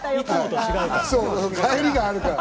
返りがあるからね。